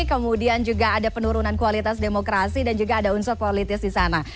kemudian juga ada penurunan kualitas demokrasi dan juga ada unsur politis di sana